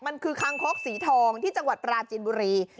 มันคือคางคกสีทองที่จังหวัดปราจินบุรี